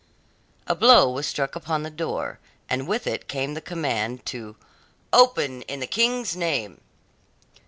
A blow was struck upon the door, and with it came the command to "Open in the King's name!"